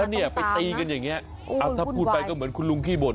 เนี่ยไปตีกันอย่างนี้ถ้าพูดไปก็เหมือนคุณลุงขี้บ่น